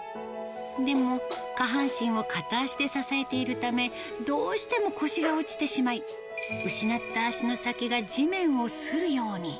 でも、下半身を片脚で支えているため、どうしても腰が落ちてしまい、失った足の先が地面をするように。